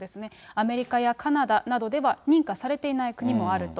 アメリカやカナダなどでは認可されていない国もあると。